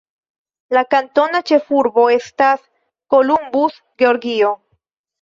La kantona ĉefurbo estas Columbus, Georgio.